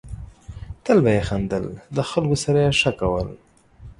تل به یې خندل ، د خلکو سره یې ښه کول.